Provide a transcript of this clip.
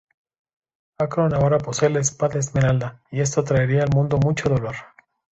Akron ahora posee la Espada Esmeralda, y esto traería al mundo mucho dolor...